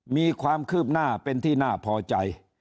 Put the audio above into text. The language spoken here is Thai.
มีความคืบหน้าเป็นที่น่าพอใจ